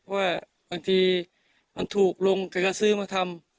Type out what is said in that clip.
เพราะว่าบางทีมันถูกลงแกก็ซื้อมาทำ